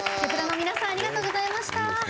Ｋｅｐ１ｅｒの皆さんありがとうございました。